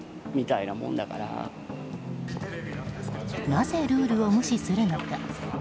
なぜルールを無視するのか。